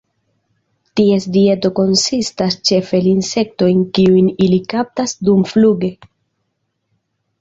Ties dieto konsistas ĉefe el insektoj kiujn ili kaptas dumfluge.